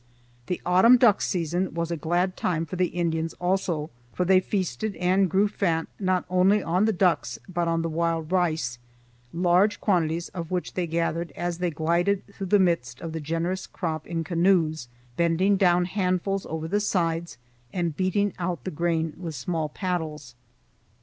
The autumn duck season was a glad time for the Indians also, for they feasted and grew fat not only on the ducks but on the wild rice, large quantities of which they gathered as they glided through the midst of the generous crop in canoes, bending down handfuls over the sides, and beating out the grain with small paddles.